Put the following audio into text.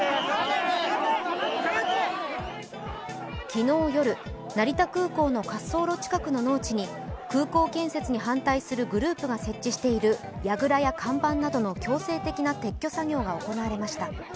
昨日夜、成田空港の滑走路近くの農地に空港建設に反対するグループが設置しているやぐらや看板などの強制的な撤去作業が行われました。